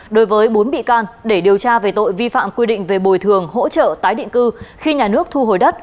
đối với bốn bị can để điều tra về tội vi phạm quy định về bồi thường hỗ trợ tái định cư khi nhà nước thu hồi đất